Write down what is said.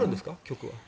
曲は。